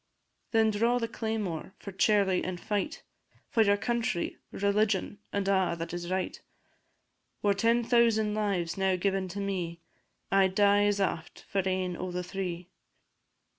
Then draw the claymore, for Charlie then fight; For your country, religion, and a' that is right; Were ten thousand lives now given to me, I 'd die as aft for ane o' the three.